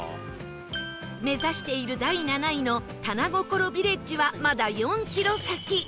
目指している第７位のたなごころビレッジはまだ４キロ先